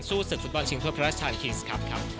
สู้สุดฟุตบอลชิงทั่วพระราชชาญคิงส์ครับ